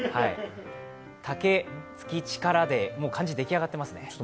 竹、月、力でもう漢字出来上がってますね。